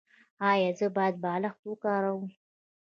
ایا زه باید بالښت وکاروم؟